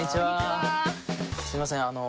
すいませんあの。